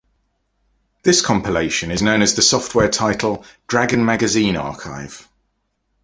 This compilation is known as the software title "Dragon Magazine Archive".